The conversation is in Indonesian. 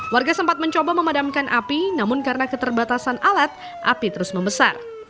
warga sempat mencoba memadamkan api namun karena keterbatasan alat api terus membesar